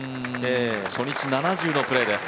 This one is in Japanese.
初日７０のプレーです。